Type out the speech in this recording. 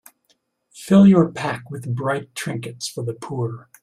Fill your pack with bright trinkets for the poor.